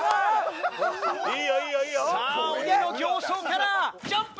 さぁ鬼の形相からジャンプ！